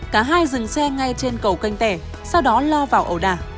cả hai dừng xe ngay trên cầu canh tẻ sau đó lo vào ẩu đả